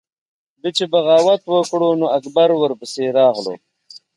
ده چې بغاوت وکړو نو اکبر ورپسې راغلو۔